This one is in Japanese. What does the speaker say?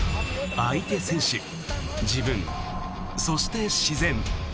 相手選手、自分そして自然。